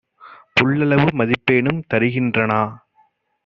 புல்லளவு மதிப்பேனும் தருகின் றானா?